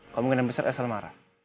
kalo mungkin yang besar elsa lemaran